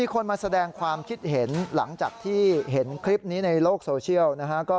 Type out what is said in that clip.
ก็น่าจะเจ็บนะครับ